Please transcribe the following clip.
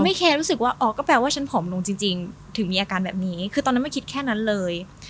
เครู้สึกว่าอ๋อก็แปลว่าฉันผอมลงจริงถึงมีอาการแบบนี้คือตอนนั้นไม่คิดแค่นั้นเลย